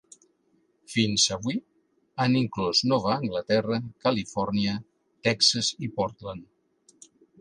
Fins avui, han inclòs Nova Anglaterra, Califòrnia, Texas i Portland.